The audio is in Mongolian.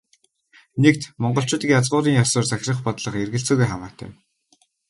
Нэгд, монголчуудыг язгуурын ёсоор захирах бодлого эргэлзээгүй хамаатай.